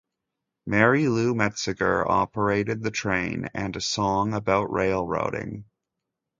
Mary Lou Metzger operated the train, and a song about railroading.